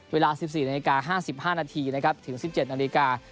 เวลา๑๔นาฬิกา๕๕นาทีนะครับถึง๑๗นาฬิกา